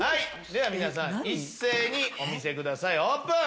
では皆さん一斉にお見せくださいオープン！